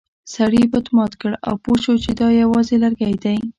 سړي بت مات کړ او پوه شو چې دا یوازې لرګی دی.